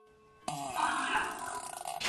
ایا کورني سوداګر وچ انار اخلي؟